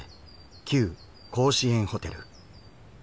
旧甲子園ホテル。